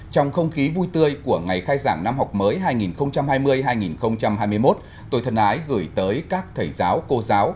trong không khí vui tươi của ngày khai giảng năm học mới hai nghìn hai mươi hai nghìn hai mươi một tôi thân ái gửi tới các thầy giáo cô giáo